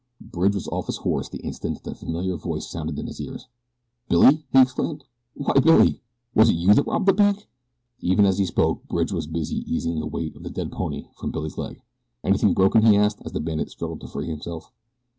Bridge was off his horse the instant that the familiar voice sounded in his ears. "Billy!" he exclaimed. "Why Billy was it you who robbed the bank?" Even as he spoke Bridge was busy easing the weight of the dead pony from Billy's leg. "Anything broken?" he asked as the bandit struggled to free himself.